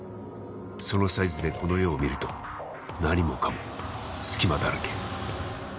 そのサイズでこの世を見ると何もかも隙間だらけ。